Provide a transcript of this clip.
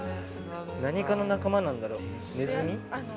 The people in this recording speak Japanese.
何科の仲間なんだろう？